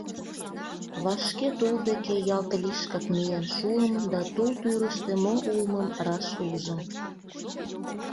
Вашке тул деке ялт лишкак миен шуым да тул тӱрыштӧ мо улмым раш ужым.